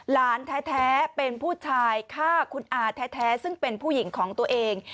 หลานแท้เป็นผู้ชายฆ่าคุณอาแท้ซึ่งเป็นผู้หญิงของตัวเอง